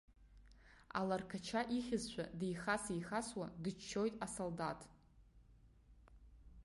Аларқача ихьызшәа деихас-еихасуа дыччоит асолдаҭ.